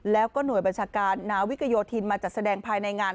แล้วก็หน่วยบัญชาการนาวิกโยธินมาจัดแสดงภายในงาน